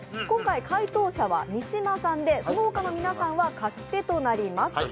今回、回答者は三島さんで、そのほかの皆さんは書き手となります。